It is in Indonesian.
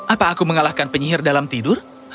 apa aku mengalahkan penyihir dalam tidur